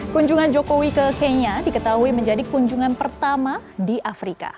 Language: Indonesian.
kunjungan jokowi ke kenya diketahui menjadi kunjungan pertama di afrika